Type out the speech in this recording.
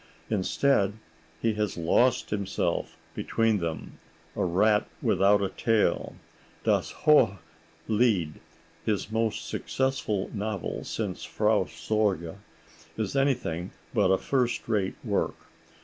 Instead he has lost himself between them, a rat without a tail. "Das hohe Lied," his most successful novel since "Frau Sorge," is anything but a first rate work.